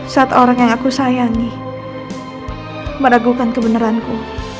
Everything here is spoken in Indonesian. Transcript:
saat orang yang aku sayangi meragukan kebenaranku